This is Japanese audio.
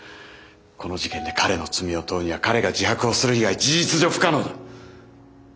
この事件で彼の罪を問うには彼が自白をする以外事実上不可能だ。